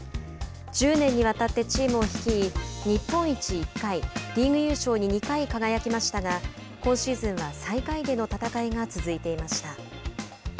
１０年にわたってチームを率い日本一１回リーグ優勝に２回輝きましたが今シーズンは最下位での戦いが続いていました。